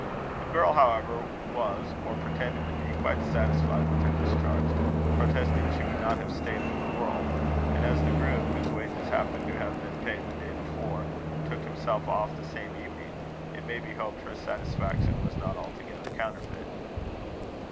The girl, however, was, or pretended to be, quite satisfied with her discharge, protesting she would not have staid for the world; and as the groom, whose wages happened to have been paid the day before, took himself off the same evening, it may be hoped her satisfaction was not altogether counterfeit.